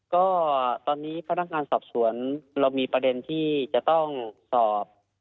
ก็ตอนนี้พนักงานสอบสวนเรามีประเด็นที่จะต้องสอบ